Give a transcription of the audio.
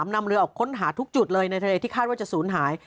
นำเรือออกค้นหาทุกจุดเลยในทะเลที่คาดว่าจะศูนย์หาย